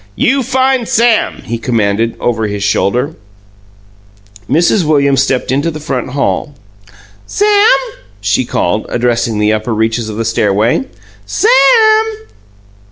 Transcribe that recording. "You find Sam!" he commanded, over his shoulder. Mrs. Williams stepped into the front hall. "Sam!" she called, addressing the upper reaches of the stairway. "Sam!"